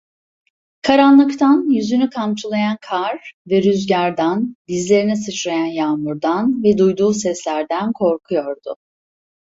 Karanlıktan, yüzünü kamçılayan kar ve rüzgardan, dizlerine sıçrayan çamurdan ve duyduğu seslerden korkuyordu.